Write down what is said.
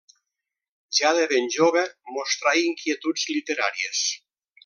Ja de ben jove mostrà inquietuds literàries.